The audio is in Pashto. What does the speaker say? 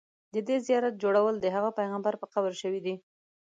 د دې زیارت جوړول د هغه پیغمبر په قبر شوي دي.